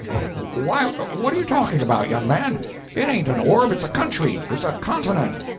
"Why, what are you talking about, young man? It ain't an orb; it's a country; it's a continent.